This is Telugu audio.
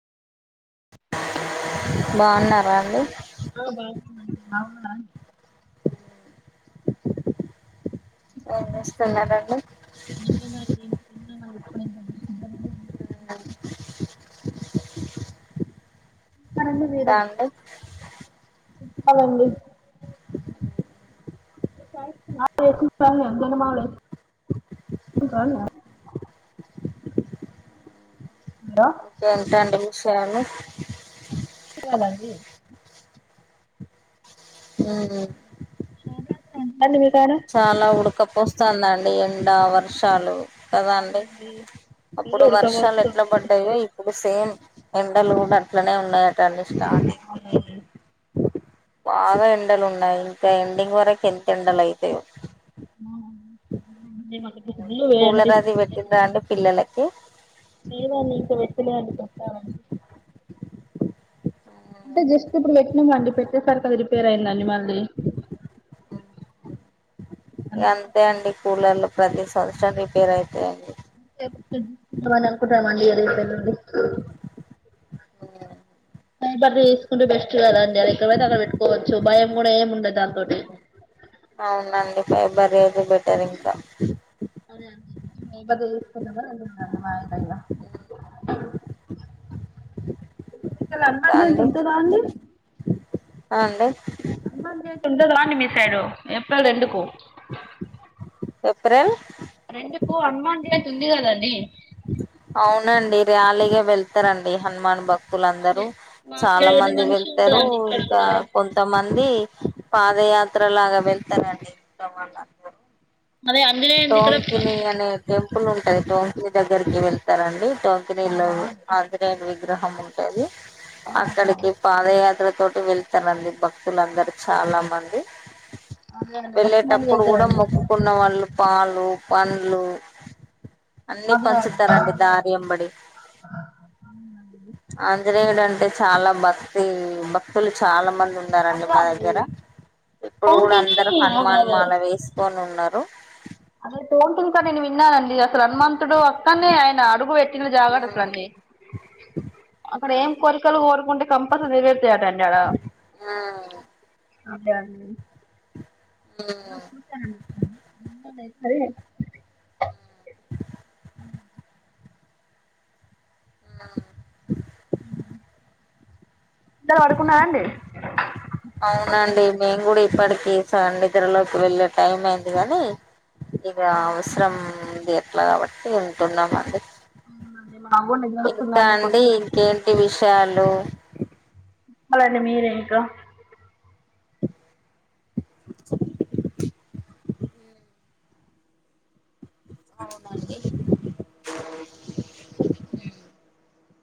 బాగున్నా అండి ఆ బాగున్నాడి బాగున్నా అస్తున్న నల మదిన్న వా ఇప్పుడుద్ద రండి మీరు తాంట అవునండి చ అందన మావడ కాాల వేసుకున్నారా కేేంటండి విషయాలు నికి అ అ మీ కాడ చాలా ఉడకపోస్తుందండి ఎండా వర్షాలు కదా అండి అవునండి ఫుల్ అప్పుడు వర్షాలు ఎట్లా ఉడకపోస్తుంది పడ్డాయో ఇప్పుడు సేమ్ ఎండలు కూడా అట్లనే ఉన్నాయటండి స్ార్ట్ అవునండి బాగా ఎండలు ఉన్నాయి ఇంకా ఎండింగ్ వరకు ఎంత ఎండలు అయి ఏ మాక ఇడ్లు కూలర్ అది వేంటిస్తుంది పెట్టిండ్రా అండి పిల్లలకి నేనున్న ఇంకా వెట్టలేను ఆ అంటే జస్ట్ ఇప్పుడు పెట్టినామ అండి పెట్టేసరి కదా రిపేర్ అయిందండి మళ్ళీ అంతే అండి కూలర్లు ప్రతి సంవత్సరం రిపేర్ అయితాయండి కుట్టమం అదడి బ స్కూ వ చూడాలండి అ ఎక్కడైతే అక్కడ పెట్టుకోవచ్చు భయం కూడా ఏముండదు దాంతోటి పై బర్ అతే బెటర్ ఇంకా అరే అదేశ అ మాయగాయ ఇ ఇక్కలా అన్నం ఇంకా చేసి అండి ఉంటుందా అండి ఆ అండి అ ని మీస్య ఎప్పడు రెంకో ఏప్రిల్ రెండుకు హనుమాన్ జ అయిత ఉంది కదాీ అవునండి ర్యాలీగా వెళ్తారంండి హనుమాన్ భక్తు భక్తులుందరూ అదే మా సైడ్ చాలా కూడా మంది మంచిగా వెళ్తారు ఉంటదండి ఇక్కడ ఇంకా కూడా కొంతమంది పాదయాత్ర లాగా వెళ్తానండి ఇంట్లో వాళ్ళందరూ అదే ఆంజనేయునిది ఇక్కడ టంకని అనే ప్పులు ఉంటాది టోంక దగ్గరికి వెళ్తారండి టోకలో ఆజ విగ్రహం ఉంటుది అక్కడికి పాదయాత్ర తోటి వెళ్తానడి భక్తులందర చాలా మంది అదే అండి మస్తు మంది వెళ్ళేటప్పుడు కూడా చేస్తారండి మొక్కుకున్న వాళ్ళు లు పండ్లు అన్నీ అదే పంచుతారండి దారి ఎంబడి ఆంజనేయుడు అంటే చాలా భక్తి భక్తులు చాలా మంది ఉన్నారండి అదే మా అండి దగ్గర ఇప్పుడు కూడా తోంటిని అందరు అదే హనుమాన్ అదే మాల వేసుకని ఉ అన్నారు అదే తోంటంకా నేను విన్నానండి అసలు అనుమాన్ అతడు అక్కనే ఆయన అడుగు పెట్టిన జాగట అట్లడి అక్కడ ఏం కోరికలు కోరుకుంటే కంపస నివర్తిటంటడా అదే [unintelligible] ఉ అ అవునండి మేము కూడా ఇప్పటికీ స ఇత్రలోకి వెళ్ళే టైం ఏయింది ని ఇక అవసరం ది ఎట్లా కాబట్టి వింటున్నాము అండి అవునండి మాకు కూడా నిద్ర ఇంకా వస్తుందండి అండి పొద్దు ఇంకేంటి విషయాలు చెప్పాలండి మీరే ఇంకా అవునండి